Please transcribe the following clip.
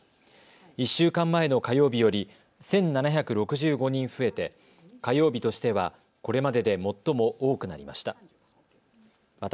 １週間前の火曜日より１７６５人増えて火曜日としては、これまでで最も多くなりました。